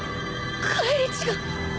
返り血が